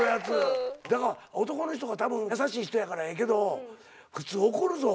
だから男の人が優しい人やからええけど普通怒るぞ。